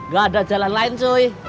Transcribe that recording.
gak ada jalan lain soe